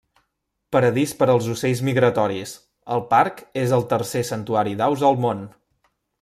Paradís per als ocells migratoris, el parc és el tercer santuari d'aus al món.